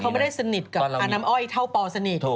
คือเขาไม่ได้สนิทกับอารมณ์อ้อยเท่าพอสนิท